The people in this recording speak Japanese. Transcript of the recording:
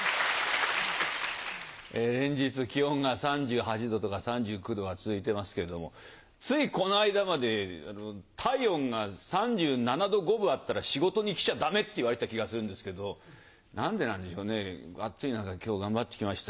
連日気温が３８度とか３９度が続いてますけれどもついこの間まで体温が３７度５分あったら仕事に来ちゃダメって言われた気がするんですけど何でなんでしょうね暑っつい中今日頑張って来ました。